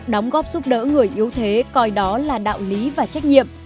đóng góp giúp đỡ người yếu thế coi đó là đạo lý và trách nhiệm